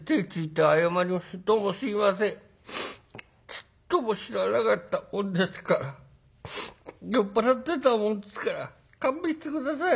ちっとも知らなかったもんですから酔っ払ってたもんですから勘弁して下さい。